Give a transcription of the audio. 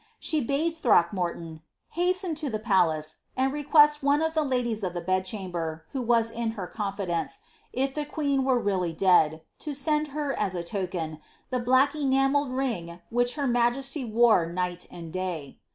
She badb Throckmorton ^ hasten to &e palace, and request one of the ladies of the bed chamber, who was in her confidence, if the queen were really dead, to send her, as a token, the black enamelled ring which her ma* jesty wore night and day."